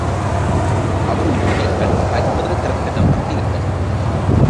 அம்மிதியடிகள் பல்வேறு திறத்தனவாக இருந்தன.